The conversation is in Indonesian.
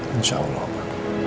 insya allah papa